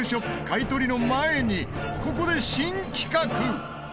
買取の前にここで新企画！